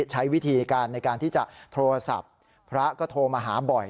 ใช้วิธีการในการที่จะโทรศัพท์พระก็โทรมาหาบ่อย